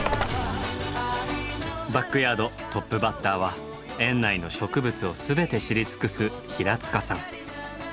バックヤードトップバッターは園内の植物を全て知り尽くす平さん。